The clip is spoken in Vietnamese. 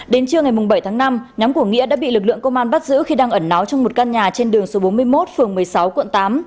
đến trưa ngày bảy tháng năm nhóm của nghĩa đã bị lực lượng công an bắt giữ khi đang ẩn náo trong một căn nhà trên đường số bốn mươi một phường một mươi sáu quận tám